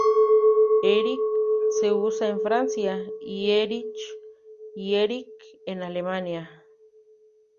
Eric se usa en Francia, y Erich y Erik en Alemania.